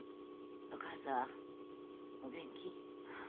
お母さんお元気？